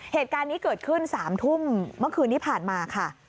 เหตุการณ์นี้เกิดขึ้น๓ทุ่มเมื่อคืนที่ผ่านมาค่ะ